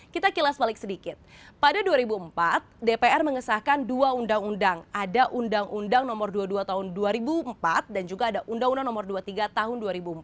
kita kilas balik sedikit pada dua ribu empat dpr mengesahkan dua undang undang ada undang undang nomor dua puluh dua tahun dua ribu empat dan juga ada undang undang nomor dua puluh tiga tahun dua ribu empat